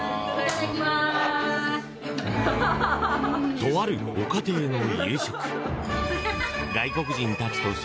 とあるご家庭の夕食。